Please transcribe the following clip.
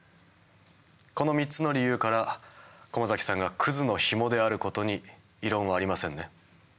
この３つの理由から駒崎さんがクズのヒモであることに異論はありませんね？